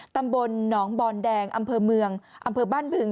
ตำบลหนองบอนแดงอำเภอเมืองอำเภอบ้านบึง